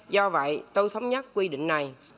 do vậy tôi thống nhất quy định này